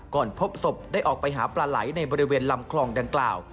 พบศพได้ออกไปหาปลาไหลในบริเวณลำคลองดังกล่าว